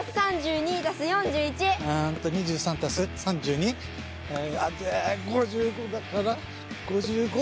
２３＋３２？で５５だから５５？